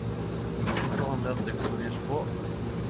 Korleis får ein lært seg så mykje språk?